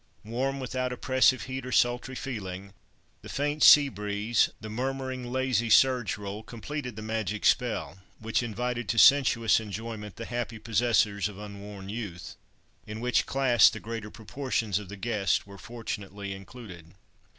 Warm, without oppressive heat or sultry feeling, the faint sea breeze, the murmuring lazy surge roll, completed the magic spell, which invited to sensuous enjoyment, the happy possessors of unworn youth—in which class, the greater proportion of the guests were fortunately included.